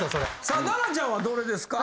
さあ奈々ちゃんはどれですか？